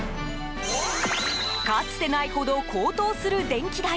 かつてないほど高騰する電気代。